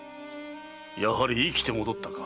やはり生きて戻ったか。